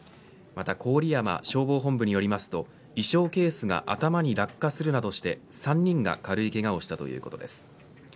また郡山消防本部によりますと衣装ケースが頭に落下するなどして３人が軽いけがをしたということです。